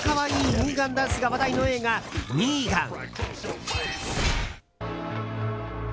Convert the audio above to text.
ミーガンダンスが話題の映画「ミーガン」。